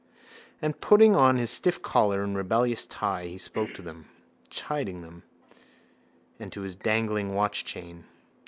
And putting on his stiff collar and rebellious tie he spoke to them, chiding them, and to his dangling watchchain.